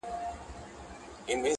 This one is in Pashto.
خپل پخپلو کي احترام سره وکړئ